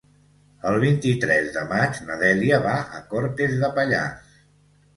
El vint-i-tres de maig na Dèlia va a Cortes de Pallars.